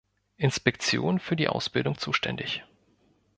Inspektion für die Ausbildung zuständig.